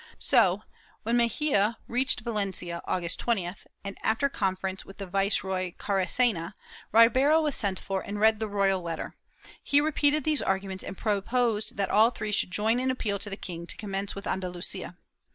So, when Mexia reached Valencia, August 20th, and, after confer ence with the Viceroy Caracena, Ribera was sent for and read the royal letter, he repeated these arguments and proposed that all three should join in appeal to the king to commence with Andalusia.